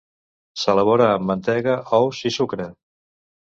S'elabora amb mantega, ous i sucre.